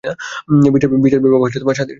বিচার বিভাগ স্বাধীন।